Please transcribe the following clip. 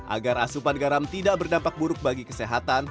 agar asupan garam tidak berdampak buruk bagi kesehatan